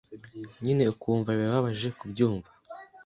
nyine ukumva birababaje kubyumva.